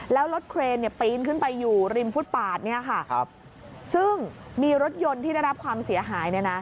แล้วรถเคลนปีนขึ้นไปอยู่ริมฟุตปาดซึ่งมีรถยนต์ที่ได้รับความเสียหาย